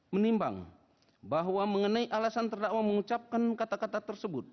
menimbang bahwa mengenai alasan terdakwa mengucapkan kata kata tersebut